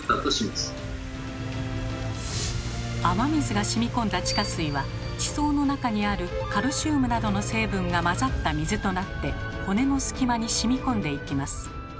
雨水が染み込んだ地下水は地層の中にあるカルシウムなどの成分が混ざった水となって骨の隙間に染み込んでいきます。